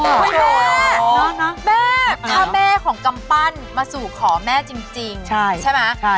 คุณแม่แม่ถ้าแม่ของกำปั้นมาสู่ขอแม่จริงใช่ไหม